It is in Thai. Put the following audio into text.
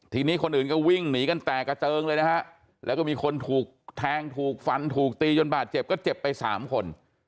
ทีนี้คนอื่นก็วิ่งหนีกันแตกกระเจิงเลยนะฮะแล้วก็มีคนถูกแทงถูกฟันถูกตีจนบาดเจ็บก็เจ็บไปสามคน